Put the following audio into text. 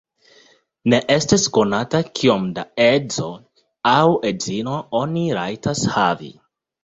Ne estas konata kiom da edzoj aŭ edzinoj oni rajtas havi.